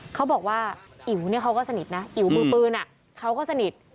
เขาบอกว่าอิ๋วเนี่ยเขาก็สนิทนะอิ๋วมือปืนเขาก็สนิท